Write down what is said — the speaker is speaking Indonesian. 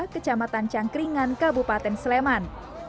kecamatan cangkringan kabupaten sleman